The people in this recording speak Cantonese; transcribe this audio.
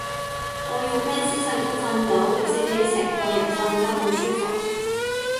我用咩姿勢都瞓到，摺起成個人瞓得好舒服